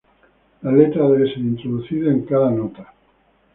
La letra debe ser introducida en cada nota.